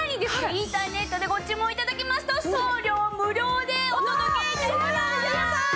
インターネットでご注文頂きますと送料無料でお届け致します。